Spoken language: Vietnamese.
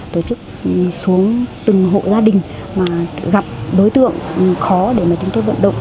tổ chức xuống từng hộ gia đình mà gặp đối tượng khó để mà chúng tôi vận động